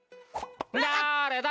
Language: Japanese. だれだ？